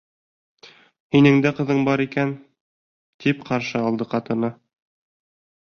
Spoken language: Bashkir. Һинең ҡыҙың да бар икән! -тип ҡаршы алды ҡатыны.